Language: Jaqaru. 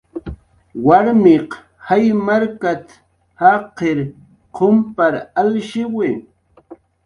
"Warmiq jaymarkat"" jaqir qumpar alshiwi"